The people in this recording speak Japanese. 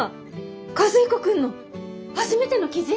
和彦君の初めての記事？